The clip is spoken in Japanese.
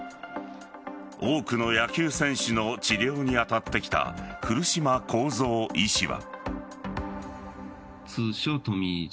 多くの野球選手の治療に当たってきた古島弘三医師は。